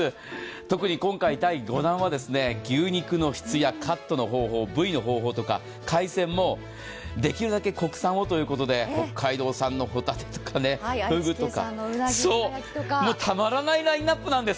特に今回、第５弾は牛肉の質やカットの方法部位の方法とか、海鮮もできるだけ国産をということで北海道産のほたてとかふぐとかもう、たまらないラインナップなんです。